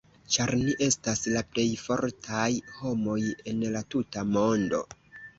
Ĉar ni estas la plej fortaj homoj en la tuta mondo.